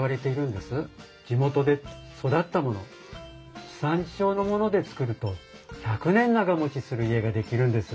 地元で育ったもの地産地消のもので造ると１００年長もちする家が出来るんです。